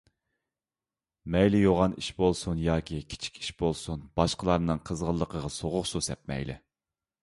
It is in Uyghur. مەيلى يوغان ئىش بولسۇن ياكى كىچىك ئىش بولسۇن، باشقىلارنىڭ قىزغىنلىقىغا سوغۇق سۇ سەپمەيلى.